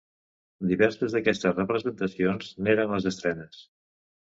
Diverses d'aquestes representacions n'eren les estrenes.